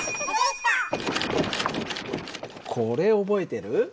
これ覚えてる？